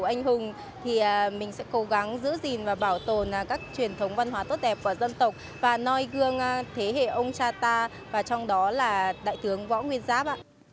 anh hùng thì mình sẽ cố gắng giữ gìn và bảo tồn các truyền thống văn hóa tốt đẹp của dân tộc và noi gương thế hệ ông cha ta và trong đó là đại tướng võ nguyên giáp